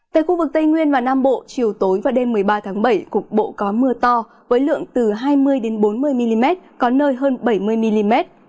tại khu vực tây nguyên và nam bộ chiều tối và đêm một mươi ba tháng bảy cục bộ có mưa to với lượng từ hai mươi bốn mươi mm có nơi hơn bảy mươi mm